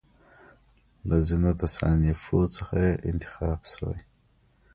له ځینو تصانیفو څخه یې انتخاب شوی.